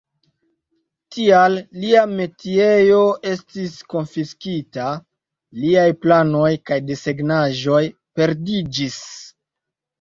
Tial lia metiejo estis konfiskita; liaj planoj kaj desegnaĵoj perdiĝis.